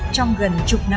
trong gần chục năm